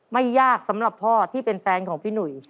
ไม่ยากสำหรับพ่อที่เป็นแฟนของพี่หนุ่ย